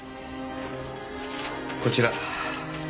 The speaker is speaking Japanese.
こちら。